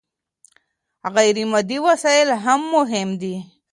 غير مادي وسايل هم مهم دي.